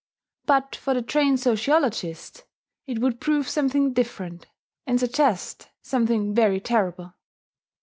But for the trained sociologist it would prove something different, and suggest something very terrible.